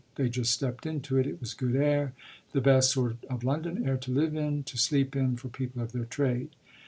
They just stepped into it; it was good air the best sort of London air to live in, to sleep in, for people of their trade.